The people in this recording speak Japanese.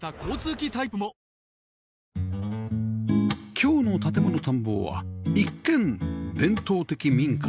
今日の『建もの探訪』は一見伝統的民家